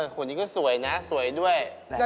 คนนี้ก็สวยนะสวยด้วย